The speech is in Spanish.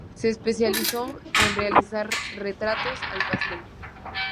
Se especializó en realizar retratos al pastel.